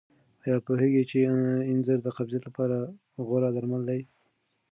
آیا پوهېږئ چې انځر د قبضیت لپاره غوره درمل دي؟